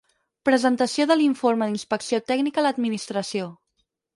Presentació de l'informe d'inspecció tècnica a l'Administració.